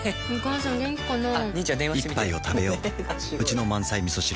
一杯をたべよううちの満菜みそ汁